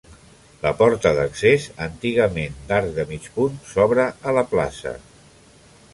La porta d'accés, antigament d'arc de mig punt, s'obre a la plaça.